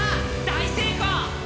大成功！